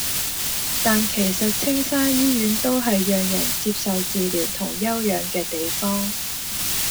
但其實青山醫院都係讓人接受治療同休養嘅地方